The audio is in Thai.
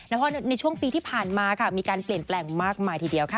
เพราะในช่วงปีที่ผ่านมาค่ะมีการเปลี่ยนแปลงมากมายทีเดียวค่ะ